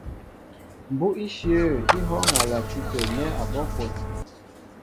Mbú' íshyə̂ í hɔ́ɔ́ŋ a lati tə̂ nɛ́ abɔ́' kwón.